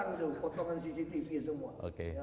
potongan cctv semua